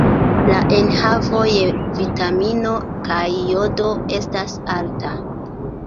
La enhavo je vitamino kaj jodo estas alta.